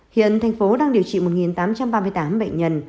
hiện tp đn đang điều trị một tám trăm ba mươi tám bệnh nhân